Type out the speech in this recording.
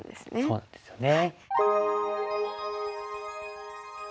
そうなんですよね。